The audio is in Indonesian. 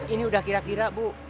ini udah kira kira bu